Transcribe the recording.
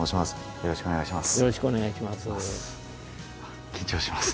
よろしくお願いします。